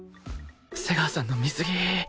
瀬川さんの水着！